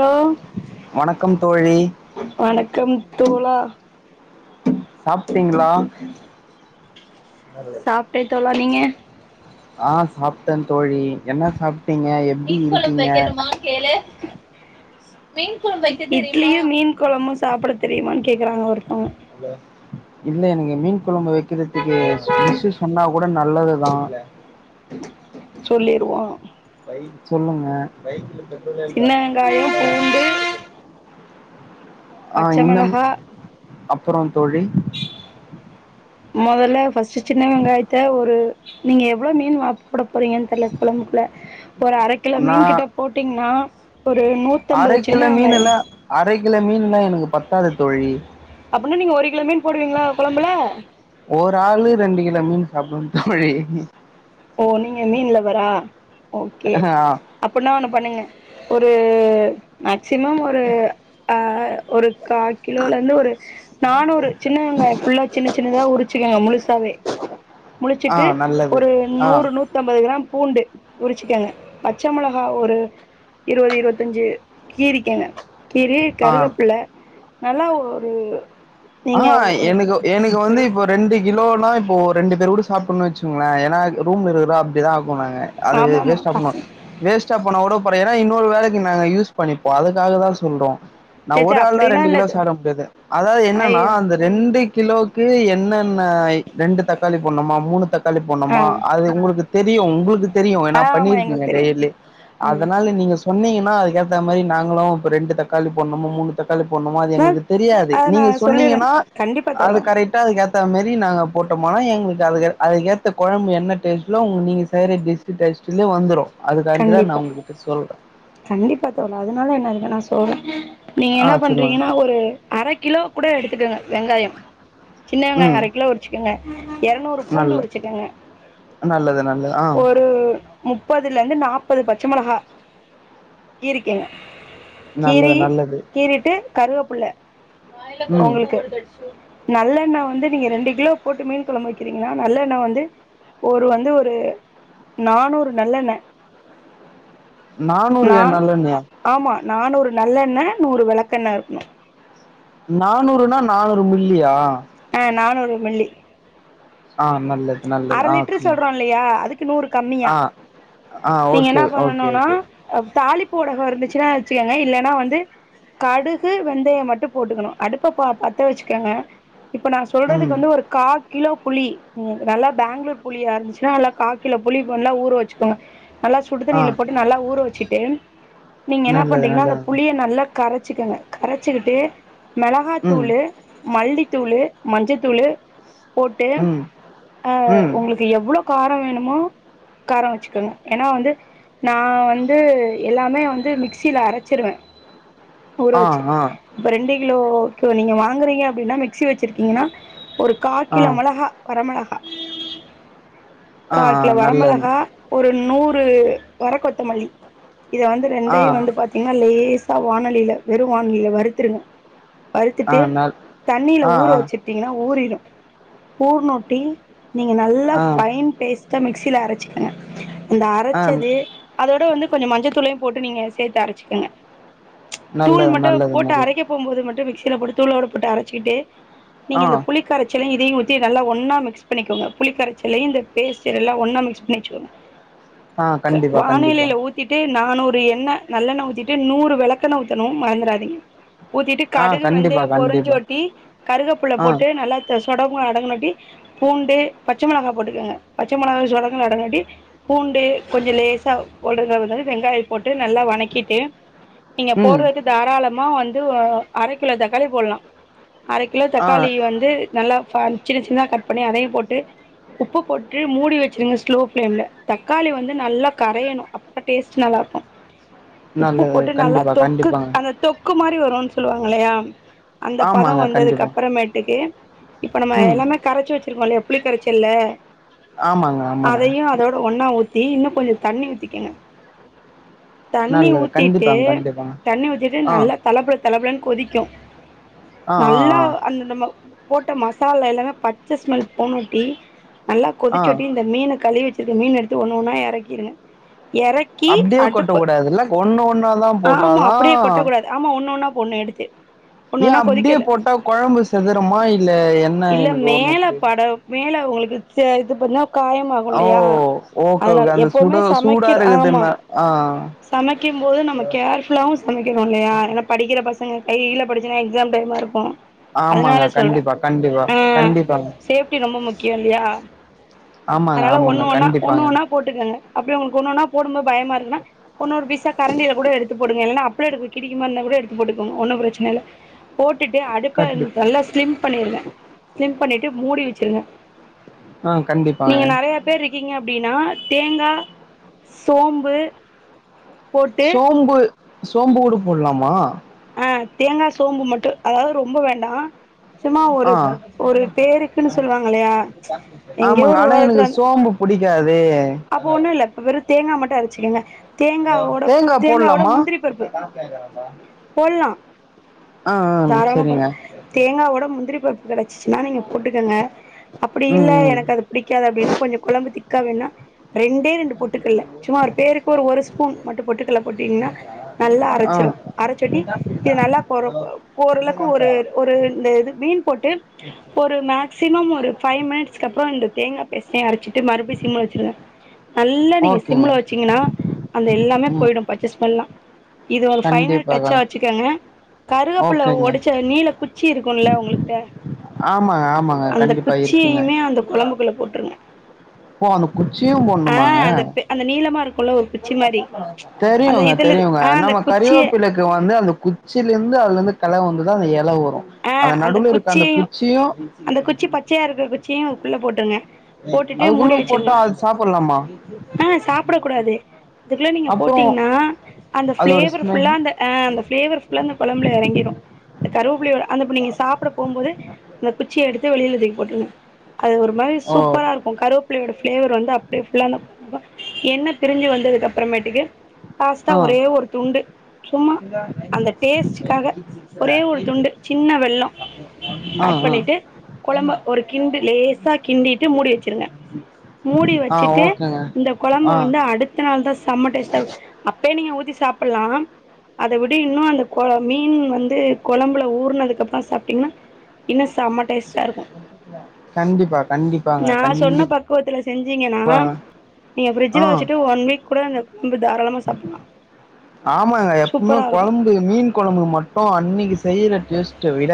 Hello வணக்கம் தோழி வணக்கம் தோழா சாப்ட்டீங்களா சாப்டே தோழா நீங்க ஆ சாப்ட்டேன் தோழி என்ன சாப்ட்டீங்க எ மீன்கொழம்பு வெக்கட்டுமா கேளு மீன் கொழம்பு வெக்க தெரியுமா அலோ இல்ல எனக்கு மீன் கொழம்பு வெக்கறதுக்கு டிஷ்ஷு சொன்னா கூட நல்லதுதா சொல்லீருவோ சொல்லுங்க சின்ன வெங்காயோ பூண்டு ஆ பச்ச இன்னம் மெளகா அப்ரோந்தோழி மொதல்ல பஸ்ட்டு சின்ன வெங்காயத்த ஒரு நீங்க எவ்ளோ மீன் வா போடப் போறீங்கன்னு தெரில கொழம்புகுள்ள ஒரு அர கிலோ மீன் நான் கிட்ட போட்டீங்னா ஒரு நூத்தம்பது அரை கிலோ சின்ன வெங்காயோ மீன்ல அரை கிலோ மீன்லா எனக்கு பத்தாது தோழி அப்டினா நீங்க ஒரு கிலோ மீன் போடுவீங்களா கொழம்புல ஒரு ஆளு ரெண்டு கிலோ மீன் சாப்டுவோந் தோழி ஓ நீங்க மீன் லவ்வரா ஓகே ஆ அப்புன்னா ஒண்ணு பண்ணுங்க ஒரு மேக்சிமம் ஒரு ஆ ஒரு கா கிலோல இருந்து ஒரு நானூறு சின்ன வெங்காயோ ஃபுல்லா சின்ன சின்னதா உருச்சுக்கங்க முழுசாவே ஆ முழுச்சுட்டு நல்லது ஒரு ஆ நூறு நூத்தம்பது கிராம் பூண்டு உரிச்சுக்கங்க பச்ச மிளகா ஒரு இருவது இருவத்தஞ்சு கீறிக்கங்க கீறி ஆ கருகப்புள்ள நல்லா ஒரு ஆ நீங்க ஒரு எனக்கு எனக்கு இங்க வந்து இப்போ ரெண்டு கிலோனா இப்போ ரெண்டு பேர் கூட சாப்ன்னு வச்கோங்களே ஏன்னா ரூம்ல இருக்கரோ அப்டிதா ஆக்குவோ நாங்க அது வே ஆமா ஆமா வேஸ்ட்டா பச போனு வேஸ்ட்டா போனா கூட பற ஏன்னா இன்னொரு வேலைக்கு நாங்க யூஸ் பண்ணிப்போ அதுக்காகதா சொல்றோ நா சேச்சே ஒரு ஆள்தா அப்படிலா ரெண்டு இல்ல கிலோ சாப்ட முடியாது அதாவது என்னன் ஐயோ இந்த ரெண்டு கிலோக்கு என்னென்ன ரெண்டு தக்காளி போடனுமா மூணு தக் காளி போண்ணுமா ஆ அது உங்களுக்கு தெரியு உங்களுக்கு தெரியு ஆ ஏன்னா ஆமா பண்ணிருக்கீங்க எங்களுக்கு தெரியு டெய்லி ம் அதனால நீங்க சொன்னீங்கன்னா அதுக்கேத்த மாரி நாங்ளு இப்ப ரெண்டு தக்காளி போண்ணுமா மூணு தக்காளி போண்ணும அது மேம் எங்களுக்கு தெரியாது அத நா நீங்க சொல்லிருவே சொன்னீங்கன்னா கண்டிப்பா அது தோழா கரை அதுக்கு ஏத்த மாரி நாங்க போட்டொமா எங்களுக்கு அது அதுக்கேத்த கொழம்பு என்ன டேஸ்ட்லோ நீங்க செய்ற டிஸ் க்கு டேஸ்டுல வந்துரு அதுக்காண்டிதா நா கண்டிப்பா உங்ககிட்ட சொல்ற கண்டிப்பா தோழா அதுனால என்ன இருக்கு நா சொல்ற நீங்க ஆ என்ன சொல்லுங்க பண்றீங்கன்னா ஒரு அர கிலோ கூட எடுத்துக்கங்க வெங்காயோ சின்னவெங்காயோ ம் அர கிலோ உருச்சுக்கங்க எரநூறு பூண்டு நல்ல உருச்சுக்கங்க நல்லது நல்லது ஆ முப்பதுல இருந்து நாப்பது பச்ச மிளகா கீரிக்கனு கீறி நல்லது நல்லது கீறிட்டு கருவேப்புள ம் உங்களுக்கு நல்லெண்ண வந்து நீங்க ரெண்டு கிலோ போட்டு மீன் கொழம்பு வைக்கிறீங்கன்னா நல்லெண்ணவந்து ஒரு வந்து ஒரு நானூறு நல்லெண்ண நானூறு நா ஏா நல்லெண்ணயா ஆமா நானுறு நல்லெண்ண நூறு வெளக்கெண்ண இருக்கணு நாநூறுனா நாநூறு மில்லியா அ நாநூறு மில்லி ஆ நல்ல அர லிட்டரு சொல்றோ இல்லயா அதுக்கு நூறு கம்மியா ஆ ஆ நீங்க ஓகே என்ன ஓகே பண்ணணுன்னா ஓகே தாலிப்பு வடகம் இருந்துச்சுன்னா வெச்சுக்கோங்க இல்லன்னா வந்து கடுகு வெந்தய மட்டு போட்டுக்கணு அடுப்ப ப பத்த வெச்சுக்கங்க இப்ப நா ம் சொல்றதுக்கு வந்து ஒரு கா கிலோ புளி நல்லா பெங்களூர் புளியா இருந்துச்சுன்னா நல்ல கா கிலோ புளி நல்லா ஊற வெச்சுக்கோங்க நல்லா ஆ சுடுதண்ணியில போட் நல்லா ஊற வெச்சுட்டு நீங்க என்ன நல்லது பண்றீங்கன்னா அந்த நல்லது புளிய நல்லா கரச்சிக்கங்க கரச்சிக்கிட்டு மெளகா ம் தூளு மல்லி தூளு மஞ்சத்தூளு போட்டு ம் ஆ ம் உங்களுக்கு எவ்ளோ காரோ வேணுமோ கார வெச்சுக்கங்க ஏன்னா வந்து நா வந்து எல்லாமே வந்து மிக்சில அரச்சிருவே ஊற ஆ வெச்சு ஆ இப்போ ரெண்டு கிலோ நீங்க வாங்குறீங்க அப்டின்னா மிக்சி வெச்சிருக்கீங்கன்னா ஒரு கா ஆ கிலோ மெளகா வர மெளகா ஆ ஆ கா கிலோ வர நல்லது மெளகா ஒரு நூறு வர கொத்தமல்லி இத வந்து ஆ ரெண்டையு வந்து பாத் தீங்கன்னா லேசா வானெலியில வெறு வானெலியில வருத்துருங்க ஆ வறுத்துட்டு நல் தண்ணில ஆ ஊற ஆ வெச்சுட்டிங்கன்னா ஊறிடு ஊர்நொட்டி நீங்க நல்லா ஆ ஃபைன் பேஸ்ட்டா மிக்சில அரச்சிக்கங்க அந்த ஆ அரச்சது அதோட வந்து கொஞ்சோ மஞ்சத்தூளையு போட்டு நீங்க சேத்து அரச்சுக்கங்க தூள் நல்லது மட்டு நல்லது போட்டு நல்லது அரைக்க போம்போது மட்டு மிக்சில போட்டு தூள்ளோட போட்டு அரச்சிகிட்டு நீங்க ஆ இந்த புளிக் கரைச்சல இதையு தி நல்லா ஒன்னா மிக்ஸ் பண்ணிக்கோங்க புளிக்கரைச்சல்லையு இந்த பேஸ்ட் நல்லா ஒன்னா மிக்ஸ் பண்ணி வெச்சுக்கோங்க ஆ கண்டிப்பா கண்டிப்பா வானிலையில ஊத் ஊத்திட்டு நானூறு எண்ண நல்லெண்ண ஊத்திட்டு நூறு வெளக்கென்ன ஊத்தணு மறந்துறாதீங்க ஊத்திட்டு ஆ கடுகு கண்டிப்பா வெந்தயோ கண்டிப்பா பொரிஞ்சோட்டி கருகப்புள்ள ஆ போட்டு நல்லா சுடங்கு அடங்கனவாட்டி பூண்டு பச்ச மொளகா போட்டுக்கங்க பச்ச மொளகா சுடங்கு அடங்னவாட்டி பூண்டு கொஞ்சோ லேசா [unintelligible] வெங்காய போட்டு நல்லா வனக்கிட்டு நீங்க ம் போட்றதுக்கு தாராளமா வந்து அர கிலோ தக்காளி போட்லா அர கிலோ ஆ தக்காளி வந்து நல்லா சின்ன சின்னதா கட் பண்ணி அதையு போட்டு உப்பு போட்டு மூடி வெச்சுருங்க ஸ்லோ ஃப்ளேம்ல்ல தக்காளி வந்து நல்லா கரையணு அப்ப டேஸ்ட் நல்லாயிருக்கு உப்பு நல்லது போட்டு நல்லா கண்டிப்பா தொக்கு கண்டிப்பாங்க அந்த தொக் கு மாறி வருன்னு சொல்லுவாங்கல்லயா அந்த பதோ ஆமாங்க வந்ததுக்கு கண்டிப்பா அப்றோ மேட்டுக்கு இப்ப நம்ம ம் எல்லாமே கரச்சு வெச்சிருக்கோ இல்லயா புளிக் கரைச்சல்ல ஆமாங்க ஆமாங்க அதையு அதோட ஒன்னா ஊத்தி இன்னு கொஞ்சோ தண்ணி ஊத்திக்கங்க தண்ணி நல்லது ஊத்திட்டு கண்டிப்பாங்க கண்டிப்பாங்க தண்ணி ஊத்திட்டு ஆ நல்லா தலப்புல தலப்புலன்னு கொதிக்கு ஆ ஆ நல்லா அந்த நம்ம போட்ட மசாலா எல்லாமே பச்ச ஸ்மெல் போணூட்டி நல்லா ஆ ஆ கொதிச்சோட்டி இந்த மீன கழுவி க்கற மீன எடுத்து ஒன்னு ஒன்னா எறக்கிருங்க எறக் அப்டியே கொட்ட கூடாதுல்ல ஒன்னு ஒன்னாதா ஆமா போட்டாதா அப்டியே கொட்டக்கூடாது ஆமா ஒன்னு ஒன்னா போட்னு எடுத்து ஒண்ணு ஏ ஒன்னா அப்டியே கொதிக்கல போட்டா கொழம்பு செதறுமா இல்ல என் இல்ல மேல பட மேல உங்களுக்கு இது பண்ணா காயம் ஓ ஓகே ஓகே அந்த சுட சூடா சமைக்கிற ஆமா இருக்குதுன்னா ஆ சமைக்கும் போது நம்ம கேர்ஃபுல்லாவு சமைக்கணு இல்லயா ஏன்னா படிக்கிற பசங்க கையில பட்டிச் ச்சுனா எக்ஸாம் டைமா இருக்கு ஆமாங்க அதனால சொல்றே கண்டிப்பாக ஆ கண்டிப்பாக கண்டிப்பாங்க சேஃப்டி ரொம்ப முக்கியோ இல்லயா ஆமாங்க அதனால ஆமாங்க ஒண்ணு ஒன்னா ஒண்ணு கண்டிப்பாங்க ஒன்னா போட்டுக்கங்க அப்பற உங்களுக்கு ஒன்னன்னா போடும் போது பயமா இருந்தா ஒன்னொரு பீசா கரண்டில கூட எடுத்து போடுங்க இல்லன்னா அப் [unintelligible] கிடிக்கு மாறி இருந்தா கூட எடுத்து போட்டுக்கோங்க ஒன்னு பிரச்சனை இல்ல போட்டுட்டு அடுப்ப கண்டி நல்லா ஸ்லிம் பண்ணிருங்க ஸ்லிம் பண்ணிட்டு மூடி வச்சிருங்க ஆ கண்டிப்பாங்க நீங்க நெறையா பேர் இருக்கீங்க அப்டின்னா தேங்கா சோம்பு போட்டு சோம்பு சோம்பு கூட போட்லாமா அ தேங்கா சோம்பு மட்டு அதாவது ரொம்ப வேண்டா சும்மா ஒரு ஆ ஒரு பேருக்குன்னு சொல்லுவாங்க இல்லையா எங்கயோ ஒரு ஓரத்துல இரு புடிக்காது அப்ப ஒண்ணுல்ல இப்ப வெறு தேங்கா மட்டு அரைச்சிக்குங்க தேங்கா போட்லாமா பருப்பு போட்லா அ ஆம் சரிங்க தேங்கா ஓட முந்திரி பருப்பு கெடைச்சிச்சுன்னா நீங்க போட்டுக்கங்க அப்டி ம் இல்ல ம் எனக்கு அது புடிக்காது அப்படின்னா கொஞ்ச கொழம்பு திக்கா வேண்ணா ரெண்டே ரெண்டு பொட்டுக்கல்ல சும்மா ஒரு பேருக்கு ஒரு ஒரு ஸ்பூன் மட்டும் பொட்டுக்கல்ல போட்டீங்கன்னா நல்லா ஆ அரைச்சிரு அரைச்சட்டி இது நல்லா கொர கோரலுக்கு ஒரு ஒரு இந்த இது மீன் போட்டு ஒரு மேக்சிமம் ஒரு பைவ் மினிட்ஸ்கு அப்பறோ இந்த தேங்கா பேஸ்டையு அரைச்சிட்டு மறுபடி சிம்ல வச்சிருங்க நல்லா நீங்க ஓகேங்க சிம்ல வச்சீங்கன்னா அந்த எல்லாமே ம் போயிடு பச்ச ஸ்மெல்லா இது ஒரு பைனல் கண்டிப்பாக டச்சா வச்சுக்கோங்க கருகப்புள்ள ஓகேங்க ஒடிச்ச நீளகுச் சி இருக்கும்ல்ல உங்கள்ட்ட ஆமாங்க ஆமாங்க அந்த கண்டிப்பா இருக்குங்க குச்சியுமே அந்த கொழம்புக்குள்ள போட்ருங்க ஓ அந்த குச்சியு ஆ போட்ணுமாங்க அந்த பெ அந்த நீளமா இருக் தெரியுங்க இதுல தெரியுங்க ஆ அந்த நம்ம குச்சிய கறிவேப்பில கு வந்து அந்த குச்சில இருந்து அதுலருந்து கெள வந்துதா அந்த எல வரு ஆ அந்த நடுல இருக்க அந்த குச்சியையு குச்சியு அந்த குச்சி பச்சையா இருக்கிற குச்சியு அதுக்குள்ள போட்ருங்க அதுக்குள்ள போட்டா அது சாப்புட்லாமா அ சாப்புட கூடாது அதுக்குள்ள நீங்க அப்றோ போட்டீங்கன்னா அந்த அதோட ப்ளேவர் ஸ்மெல் ஃபுல்லா அந்த ஆ அந்த ஃப்ளேவர் ஃபுல்லா அந்த கொழம்புல எறங்கிரு இந்த கருவப்பிள்ளையோட அந்தப்ப நீங்க சாப்புட போம்போது அந்த குச்சிய எடுத்து வெளில தூக்கி போட்டுறணு அது ஒரு மாரி ஓ சூப்பரா இருக்கு உ கருவேப்பிள்ளையோட ஃப்ளேவர் வந்து அப்டியே புல்லா என்ன பண்ணும்ன்னா எண்ணெ பிரிஞ்சு வந்ததுக்கு அப்பறமேட்டுக்கு லாஸ்ட்டா ஆ ஒரே ஒரு துண்டு சும்மா அந்த டேஸ்ட்டுக்காக ஒரே ஒரு துண்டு சின்ன வெல்லோ ஆ ஆட் ஆ பண்ணிட்டு கொழம்ப ஒரு கிண்டு லேசா கிண்டிட்டு மூடி வச்சிருங்க மூடி ஆ வச்சுட்டு ஓகேங்க இந்த கொழம்ப ஆ வந்து அடுத்த நாள் தா செம்ம டேஸ்ட்டா இரு அப்பே நீங்க ஊத்தி சாப்பல்லா அத விட இன்னு அந்த கொ மீன் வந்து கொழம்புல ஊர்னதுக்கு அப்பறோ சாப்ட்டீங்கன்னா இன்னு செம்ம டேஸ்ட் கண்டிப்பா கண்டிப்பாங்க கண்டிப் க்குவத்துல செஞ்சீங்கன்னா நீங்க ஆ. பிரிட்ஜ்ல வச்சுட்டு ஒன் வீக் கூட அந்த ரொம்ப தாராளமா சாப்படலா ஆமாங்க. எப்பவுமே சூப்பரா இருக்கு குழம்பு மீன் கொழம்பு மட்டு அன்னைக்கு செய்ற டேஸ்ட்ட விட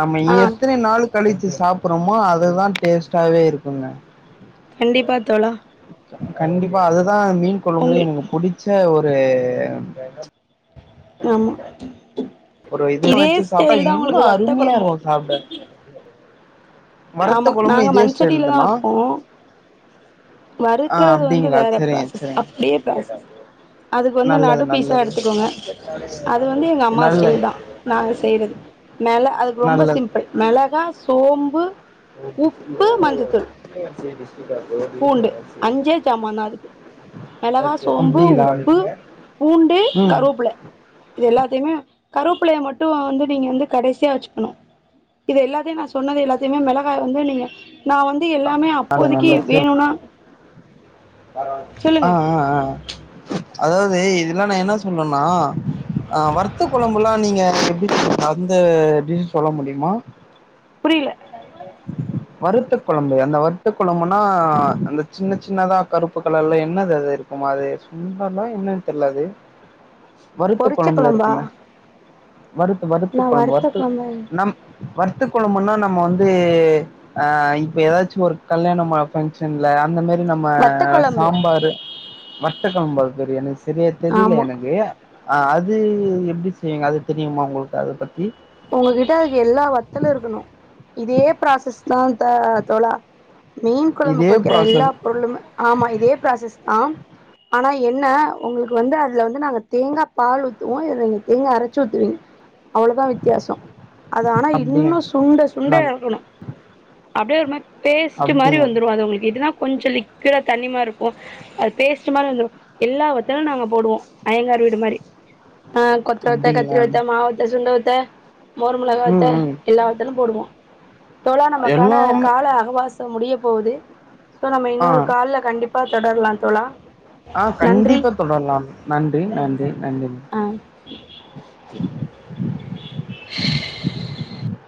நம்ம ஆ எத்தினை நாள் களித்து சாப்பிறோமோ அதுதா டேஸ்ட்டாவே இருக்குங்க கண்டிப்பா தோழா கண்டிப்பா அதுதா மீன்கொழம்புல உங்கள் எனக்கு புடிச் ச்ச ஒரு ஆமா ஒரு இத இதே ஸ்டைல் தா உங்களுக்கு வத்த கொழம்பு சாப்ட ஆமா குழம்பு நாங்க இதே ஸ்டைல் மண்சட்டிலதா தானா? வப்போ ஆ வறுக்கறது வந்து அப்டிங்களா? வேற சரிங்க, ப்ராசஸ் சரிங்க. அப்டியே ப்ராசஸ் அதுக்கு வந்து நல்லது, நடு பீஸா நல்லது. எடுத்துக்கோங்க அது வந்து எங்க அம்மா நல்லது. ஸ்டைல்தா நாங்க செய்யறது மெள அதுக்கு ரொம்ப நல்லது. சிம்பிள் மெளகா சோம்பு உப்பு மஞ்சத்தூள் [unintelligible] பூண்டு அஞ்சே சாமான்தா அதுக்கு மெளகா சோம்பு அப்டிங்களா? உப்பு பூண்டு ம். கருவேப்புல இது எல்லாத்தையுமே கருவேப்பில்லைய மட்டு வந்து நீங்க வந்து கடைசியா வச்சுக்கணு இது எல்லாத்தையு நா சொன்னது எல்லாத்தையுமே மெளகா வந்து நீங்க நா வந்து எல்லாமே நல்லது, நல்லது. அப்போதைக்கு சொன்ன ஆ ஆ ஆ அதாவது இதுல்லா நா என்ன சொ சொன்னனா அ வறுத்த கொழம்புல்லா நீங்க எப்டி செ அந்த டிஷ் சொல்ல முடியுமா புரில வறுத்த கொழம்பு அந்த வறுத்த கொழம்புன்னா அந்த சின்ன சின்னதா கருப்பு கலர்ல என்னது அது குமா அது சுண்டலோ என்னன் தெர்ல அது வறுத்த பொரிச்ச கொழம்புல குழம்பா இருக்குமே வறுத்து வறுத்து நான் கொழம்பு வறுத்த வறுத்து குழம்பு நம் வற்த்த கொழம்புன்னா நம்ம வந்து ஆ இப்ப எதாச்சு ஒரு கல்யாணம ஃபங்க்ஷன்ல அந்த மாரி நம்ம வத்த குழம்பு சாம்பார் வற்த்த கொழம்பா அது பேரு எனக்கு சரியா தெரியலே ஆமா எனக்கு ஆ அது எப்டி செய்வங்க அது தெரியுமா உங்களுக்கு அத பத்தி உங்ககிட்ட அதுக்கு எல்லா வத்தலு இருக்கணு இதே ப்ராசஸ்தா த தோழா மீன் இதே கொழம்புக்கு வைக்கிற எல்லா ப்ராசஸ் பொருளுமே ஆமா இதே ப்ராசஸ்தா ஆனா என்ன உங்களுக்கு வந்து அதுல வந்து நாங்க தேங்கா பால் ஊத்துவோ இதுல நீங்க தேங்கா அரச்சு ஊத்துவீங்க அவளதா வித்தியாசோ அது ஆனா அப்டியா இன்னு சுண்ட சுண்ட நாள் எறக்கணு அப்டியே ஒரு மார் பேஸ்ட் மாரி அப்டியா வந்துரு அது உங்களுக்கு இதுனா கொஞ்ச லிக்விடா தண்ணி மார்ருக்கு அது பேஸ்ட் மாரி வந்துரு எல்லா வத்தலு நாங்க போடுவோ ஐயங்கார் வீடு மாரி ஆ கொத்த வத்த கத்திரி அப்டிங்களா வத்த மா வத்த சுண்ட வத்த மோர் மொளகா வத்த ம் ம் எல்லா வத்தலு போடுவோ தோழா நமக்கான எல்லாமே கால அகவாசம் முடிய போகுது சோ நம்ம ஆ இன்னொரு கால்ல கண்டிப்பா தொடரலாம் தோழா ஆ நன்றி கண்டிப்பா தொடரலாம் நன்றி நன்றி நன்றி ஆ [inaudible]